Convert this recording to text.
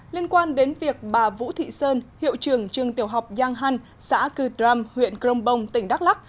liên quan đến việc bà vũ thị sơn hiệu trường trường tiểu học giang hăn xã cư đram huyện crong bông tỉnh đắk lắc